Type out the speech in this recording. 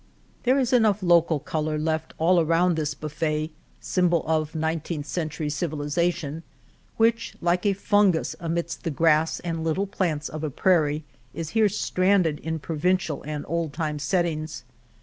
There is enough local color left all around this buffet, symbol of nineteenth century civilization, which, like a fungus amidst the grass and little plants of a prairie, is here stranded in provincial and old time surroundings.